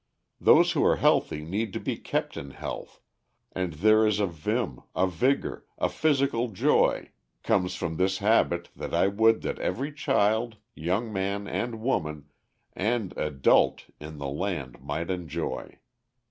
Those who are healthy need to be kept in health, and there is a vim, a vigor, a physical joy, comes from this habit that I would that every child, young man and woman, and adult in the land might enjoy.